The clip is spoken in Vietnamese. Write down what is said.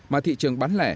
mà thị trường bán lẻ